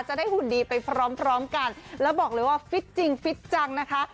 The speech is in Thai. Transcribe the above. จะได้หุ่นดีไปพร้อมกันแล้วบอกเลยว่าฟิศจริงฟิศจังนะคะ